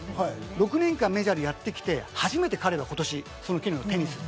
６年間メジャーでやってきて、初めて彼が今年、その権利を手にする。